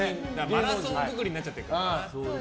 マラソンくくりになっちゃってるからな。